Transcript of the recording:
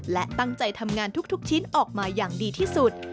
และตั้งใจทำงานทุกชิ้นออกมาอย่างดีที่สุด